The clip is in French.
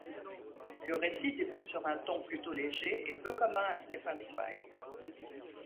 Le récit débute sur un ton plutôt léger et peu commun à Stefan Zweig.